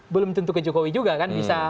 belum tentu ke jokowi juga kan bisa